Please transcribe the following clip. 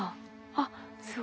あっすごい。